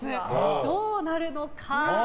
どうなるのか。